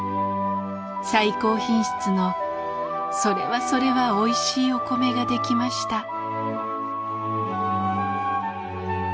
最高品質のそれはそれはおいしいお米が出来ました。